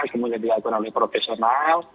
kemudian dilakukan oleh profesional